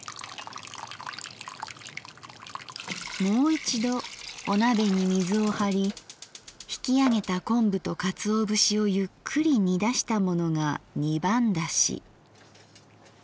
「もう一度お鍋に水をはり引きあげた昆布と鰹節をゆっくり煮出したものが二番出し──」。